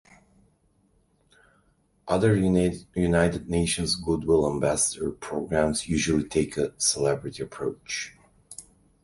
Other United Nations Goodwill Ambassador programs usually take a celebrity approach.